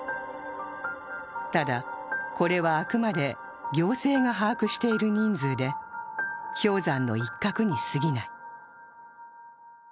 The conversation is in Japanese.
ただ、これはあくまで行政が把握している人数で、氷山の一角にすぎない。